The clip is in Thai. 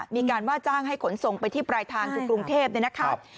มีการว่าจ้างให้ขนส่งไปที่ปลายทางคือกรุงเทพเนี่ยนะครับ